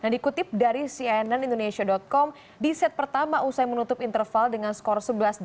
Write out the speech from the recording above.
dikutip dari cnnindonesia com di set pertama usai menutup interval dengan skor sebelas delapan